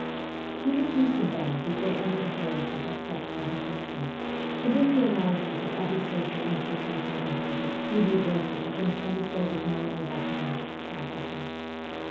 He refused to bend before any authority except that of reason, and in the analysis of every social institution or habit he revolted against any sort of more or less masked sophism.